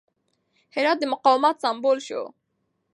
هرات د مقاومت سمبول شو.